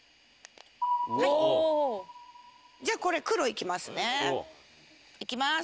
はいおおーじゃあこれ黒いきますねいきます